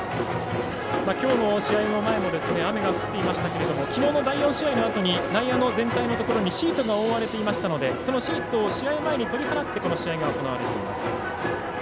きょうの試合の前も雨が降っていましたがきのうの第４試合の終わりに内野の全体のところにシートが覆われていましたのでそのシートを試合前に取り払ってこの試合が行われています。